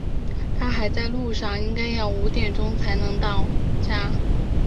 他还在路上，应该要五点钟才能到家。